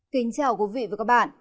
kính chào quý vị và các bạn